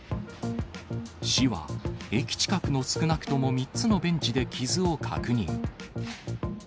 市は、駅近くの少なくとも３つのベンチで傷を確認。